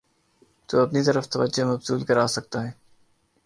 تواپنی طرف توجہ مبذول کراسکتاہے۔